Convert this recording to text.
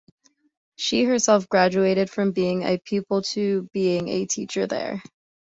She herself graduated from being a pupil to being a teacher there.